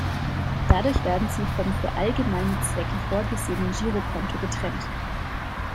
Dadurch werden sie vom für allgemeine Zwecke vorgesehenen Girokonto getrennt.